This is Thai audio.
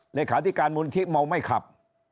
เหลือขาดิการมูลทิศเมาไม่ขับ